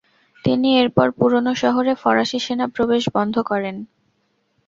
তিনি এরপর পুরনো শহরে ফরাসি সেনা প্রবেশ বন্ধ করেন।